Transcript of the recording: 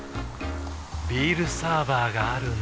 ビールサーバーがある夏。